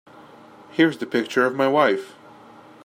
Here's the picture of my wife.